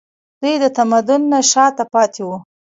دوی د تمدن نه شاته پاتې وو